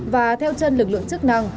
và theo chân lực lượng chức năng